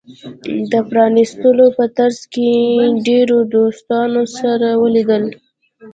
د پرانېستلو په ترڅ کې ډیرو دوستانو سره ولیدل.